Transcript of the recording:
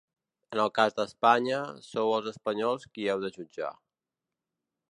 En el cas d’Espanya, sou els espanyols qui heu de jutjar.